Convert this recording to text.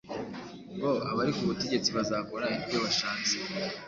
"Ngo abari ku butegetsi bazakora ibyo bashatse,